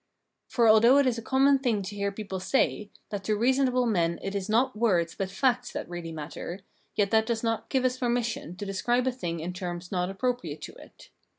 For although it is a common thing to hear people say, that to reasonable men it is not words but facts that really matter, yet that does not give us permission to describe a thing in terms not appropriate to it.